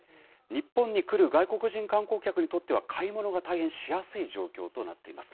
日本に来る外国人観光客にとっては買い物が大変しやすい状況となっています。